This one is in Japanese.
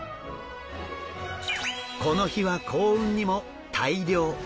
この日は幸運にも大漁！